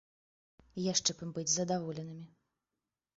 Яшчэ б ім быць задаволенымі!